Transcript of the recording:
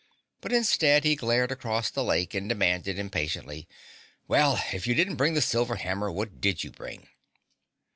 But instead he glared across the lake and demanded impatiently, "Well, if you didn't bring the silver hammer, what did you bring?"